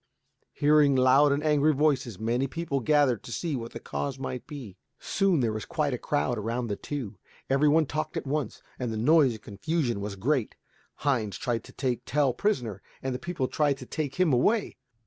Hearing loud and angry voices, many people gathered to see what the cause might be. Soon there was quite a crowd around the two. Every one talked at once, and the noise and confusion were great. Heinz tried to take Tell prisoner, and the people tried to take him away.